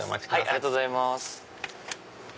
ありがとうございます。